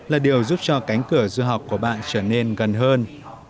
là điều giúp cho cánh cửa du học của bạn trở nên gần hơn